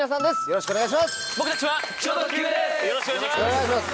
よろしくお願いします。